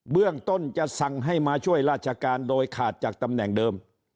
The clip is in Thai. เรื่องต้นจะสั่งให้มาช่วยราชการโดยขาดจากตำแหน่งเดิม